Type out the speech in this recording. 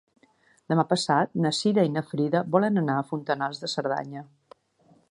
Demà passat na Cira i na Frida volen anar a Fontanals de Cerdanya.